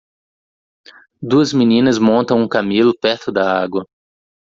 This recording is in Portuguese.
Duas meninas montam um camelo perto da água.